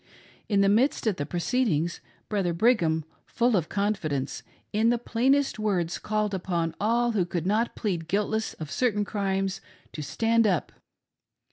In the midst of the proceedings, Brother Brigham, full of con fidence, in the plainest words called upon all who could not plead guiltless of certain crimes to stand up.